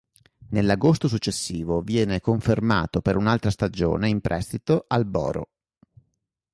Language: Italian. Nell'agosto successivo viene confermato per un'altra stagione in prestito al "Boro".